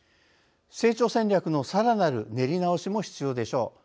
成長戦略のさらなる練り直しも必要でしょう。